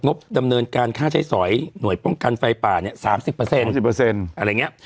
บดำเนินการค่าใช้สอยหน่วยป้องกันไฟป่าเนี่ย๓๐อะไรอย่างนี้